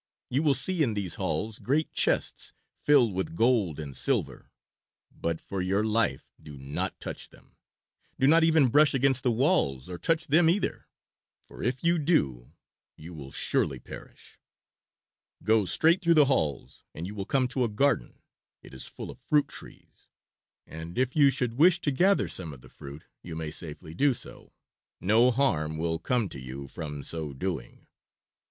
You will see in these halls great chests filled with gold and silver, but for your life do not touch them; do not even brush against the walls or touch them either, for if you do you will surely perish. Go straight through the halls and you will come to a garden; it is full of fruit trees, and if you should wish to gather some of the fruit you may safely do so; no harm will come to you from so doing.